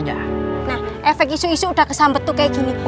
nah efek isu isu udah kesambet tuh kayak gini